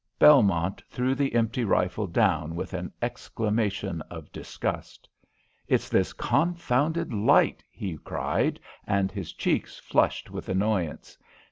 Belmont threw the empty rifle down with an exclamation of disgust. "It's this confounded light," he cried, and his cheeks flushed with annoyance.